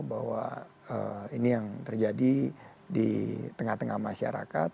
bahwa ini yang terjadi di tengah tengah masyarakat